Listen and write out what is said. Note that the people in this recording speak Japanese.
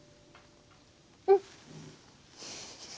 うん。